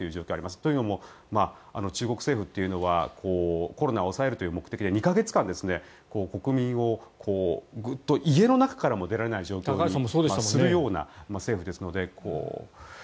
というのも中国政府というのはコロナを抑えるという目的で２か月間、国民をグッと家の中からも出られない状況にするような政府ですので。